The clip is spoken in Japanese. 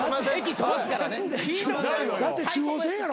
だって中央線やろ？